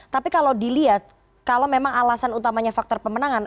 tapi kalau dilihat kalau memang alasan utamanya faktor pemenangan